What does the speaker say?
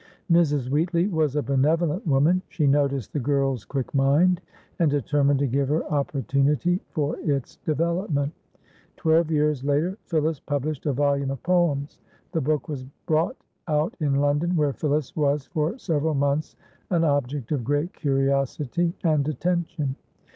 Mrs. Wheatley was a benevolent woman. She noticed the girl's quick mind and determined to give her opportunity for its development. Twelve years later Phillis published a volume of poems. The book was brought out in London, where Phillis was for several months an object of great curiosity and attention.